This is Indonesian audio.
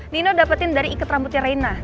nino dapetin dari ikat rambutnya reina